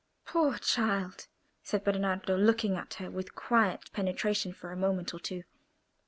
"Poor child!" said Bernardo, looking at her with quiet penetration for a moment or two.